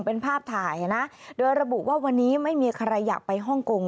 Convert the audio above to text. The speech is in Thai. เป็นภาพถ่ายนะโดยระบุว่าวันนี้ไม่มีใครอยากไปฮ่องกง